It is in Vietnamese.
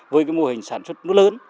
với cái mô hình sản xuất nó lớn